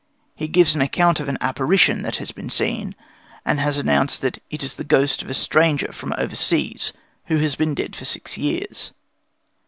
He gives an account of an apparition that has been seen, and has announced that it is the ghost of a stranger from over seas, who has been dead for six years.